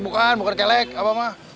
bukan bukan kelek abah mah